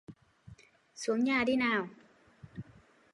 Xuống nhà đi nào